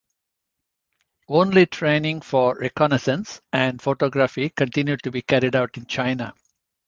Only training for reconnaissance and photography continued to be carried out in China.